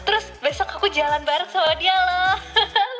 terus besok aku jalan bareng sama dia loh